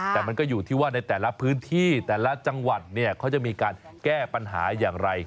แต่มันก็อยู่ที่ว่าในแต่ละพื้นที่แต่ละจังหวัดเนี่ยเขาจะมีการแก้ปัญหาอย่างไร